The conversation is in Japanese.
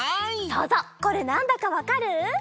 そうぞうこれなんだかわかる？